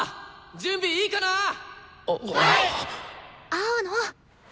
青野！